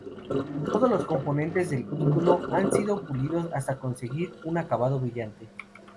Todos los componentes del icono ha sido pulidos hasta conseguir un acabado brillante.